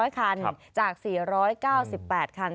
๐คันจาก๔๙๘คัน